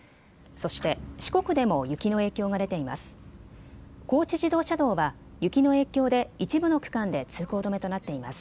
そして四国でも雪の影響が出ています。